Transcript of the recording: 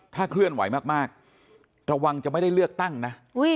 ถ้าเคลื่อนไหวมากระวังจะไม่ได้เลือกตั้งนะ